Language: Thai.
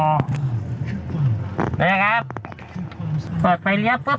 จำไว้รายละซักทุน